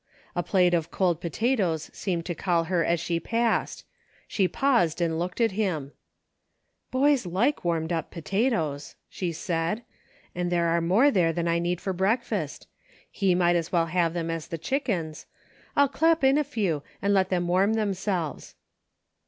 A plate of cold potatoes seemed to call her as sh*» passed. She paused and looked at him. UNSEEN CONNECTIONS. /I "Boys like warmed up potatoes," she said, "and there are more there than I need for breakfast ; he might as well have them as the chickens. I'll clap in a few and let them warm themselves."